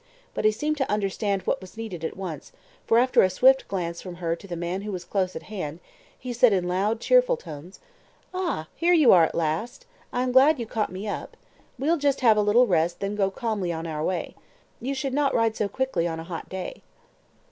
But he seemed to understand what was needed at once, for, after a swift glance from her to the man who was close at hand now, he said in loud, cheerful tones "Ah! Here you are at last. I am glad you caught me up. We'll just have a little rest, then go calmly on our way. You should not ride so quickly on a hot day."